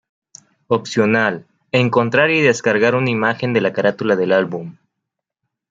Opcional: encontrar y descargar una imagen de la carátula del álbum.